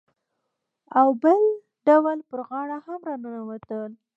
او بل ډول پر غاړه هم راننوتل.